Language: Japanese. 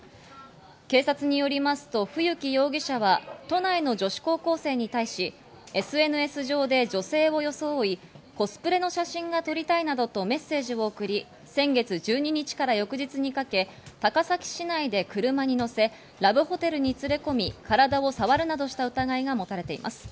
警察によりますと、冬木容疑者は都内の女子高校生に対し、ＳＮＳ上で女性を装いコスプレの写真が撮りたいなどとメッセージを送り、先月１２日から翌日にかけ高崎市内で車に乗せラブホテルに連れ込み体を触るなどした疑いが持たれています。